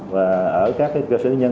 và ở các cái cơ sở nhân